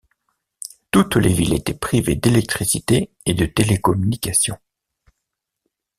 Toutes les villes étaient privées d’électricité et de télécommunications.